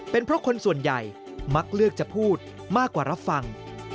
เป็นเพราะคนส่วนใหญ่มักเลือกจะพูดมากกว่ารับฟัง